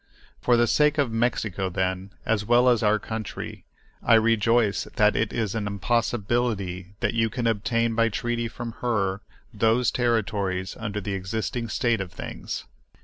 For the sake of Mexico, then, as well as our own country, I rejoice that it is an impossibility that you can obtain by treaty from her those territories under the existing state of things.